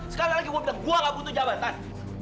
sekali lagi gue bilang gue gak butuh jabatan